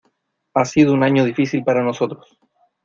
Ha sido un año difícil para nosotros.